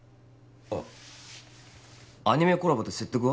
あアニメコラボで説得は？